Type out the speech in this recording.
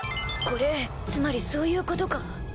これつまりそういうことか。